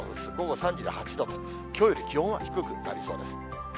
午後３時で８度と、きょうより気温は低くなりそうです。